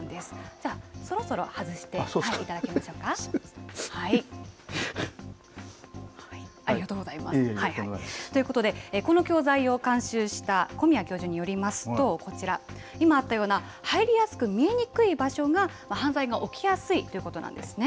じゃあそろそろ外していただけますか。ということでこの教材を監修した小宮教授によりますと今あったような入りやすく見えにくい場所が犯罪が起きやすいということなんですね。